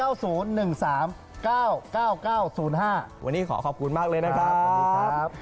วันนี้ขอขอบคุณมากเลยนะครับ